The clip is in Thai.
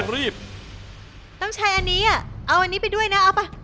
น้องชายอันนี้เอาอันนี้ไปด้วยนะเอาไป